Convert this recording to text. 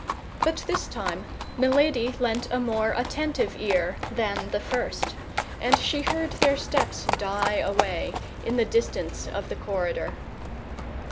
But this time Milady lent a more attentive ear than the first, and she heard their steps die away in the distance of the corridor.